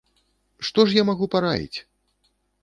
Што ж я магу параіць?!